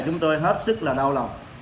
chúng tôi hết sức là đau lòng